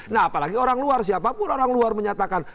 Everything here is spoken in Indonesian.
nah apalagi orang luar siapapun orang luar menyatakan